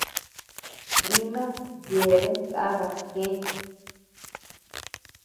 Íma yeabean kaba gët.